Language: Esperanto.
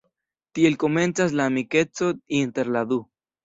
Tiel komencas la amikeco inter la du.